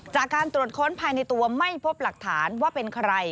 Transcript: จากการตรวจค้นภายในตัวไม่พบหลักฐานว่าเป็นใคร